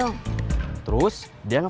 yang program ni